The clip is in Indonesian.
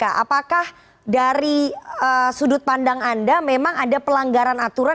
apakah dari sudut pandang anda memang ada pelanggaran aturan